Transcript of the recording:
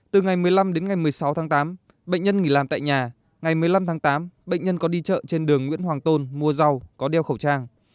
từ ngày một mươi năm đến ngày một mươi sáu tháng tám bệnh nhân nghỉ làm tại nhà ngày một mươi năm tháng tám bệnh nhân có đi chợ trên đường nguyễn hoàng tôn mua rau có đeo khẩu trang